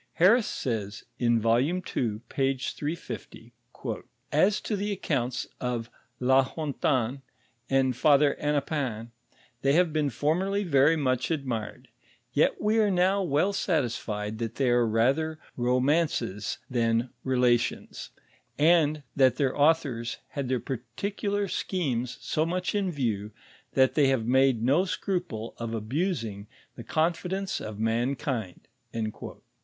Harris say a, in vol. ii., p. 350, "As to the accounts of La Hontan, and Father Hennepin, they have been formerly very much admired, yet we are now well satisfied that they are rather ro mances than relation's and that their authors had their particular schemes so much in view, that they have made no scruple of abusing the confidence of man kind."